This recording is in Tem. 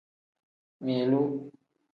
Milu.